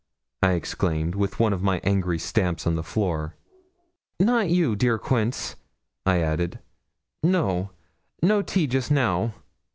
I exclaimed, with one of my angry stamps on the floor. 'Not you, dear old Quince,' I added. 'No no tea just now.'